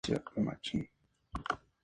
Estambres muchos.